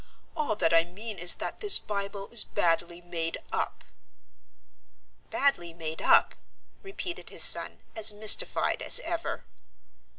All that I mean is that this Bible is badly made up." "Badly made up?" repeated his son, as mystified as ever.